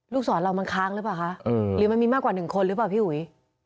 สอนเรามันค้างหรือเปล่าคะหรือมันมีมากกว่า๑คนหรือเปล่าพี่อุ๋ย